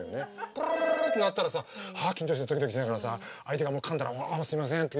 プルルルルって鳴ったらさああ緊張するドキドキしながらさ相手がかんだらああすいませんって。